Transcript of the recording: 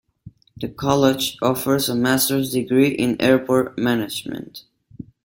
The college offers a master's degree in Airport Management.